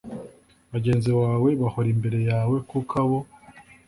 bagenzi bawe bahora imbere yawe kuko abo